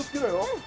うん。